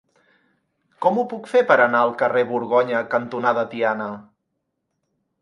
Com ho puc fer per anar al carrer Borgonya cantonada Tiana?